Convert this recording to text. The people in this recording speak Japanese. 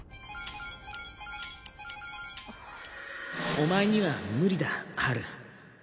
お前には無理だハル